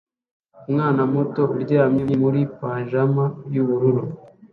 Umwana muto uryamye muri pajama yubururu